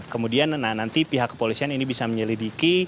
kemudian nanti pihak kepolisian ini bisa menyelidiki